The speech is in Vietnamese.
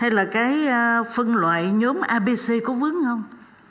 hay là cái phân loại nhóm abc có vướng không